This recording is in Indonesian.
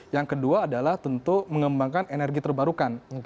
yang kedua adalah tentu mengembangkan energi terbarukan